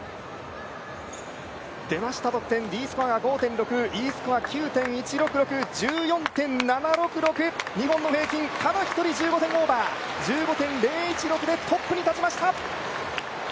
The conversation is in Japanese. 出ました得点Ｄスコア５．６、Ｅスコア、９．１６６１４．７６６、２本平均ただ一人１５点オーバー。１５．０１６でトップに立ちました。